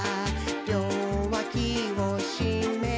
「りょうわきをしめて、」